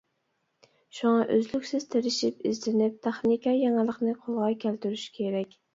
شۇڭا ئۆزلۈكسىز تىرىشىپ ئىزدىنىپ تېخنىكا يېڭىلىقىنى قولغا كەلتۈرۈش كېرەك.